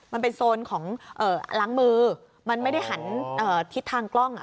มันเป็นโซนของล้างมือมันไม่ได้หันทิศทางกล้อง